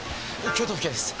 京都府警です。